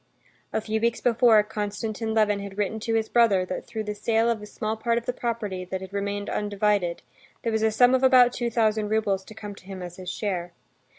A few weeks before, Konstantin Levin had written to his brother that through the sale of the small part of the property, that had remained undivided, there was a sum of about two thousand roubles to come to him as his share.